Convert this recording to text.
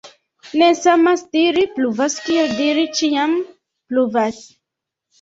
Ne samas diri «pluvas» kiel diri «ĉiam pluvas».